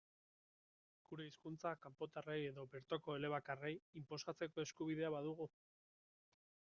Gure hizkuntza, kanpotarrei edo bertoko elebakarrei, inposatzeko eskubidea badugu?